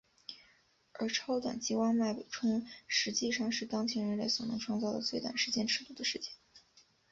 而超短激光脉冲实际上是当前人类所能创造的最短时间尺度的事件。